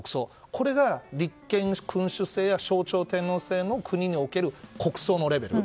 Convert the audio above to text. これが立憲君主制や象徴天皇制の国における国葬のレベル。